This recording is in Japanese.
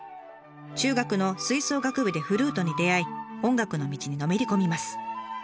中学の吹奏楽部でフルートに出会い音楽の道にのめり込みます。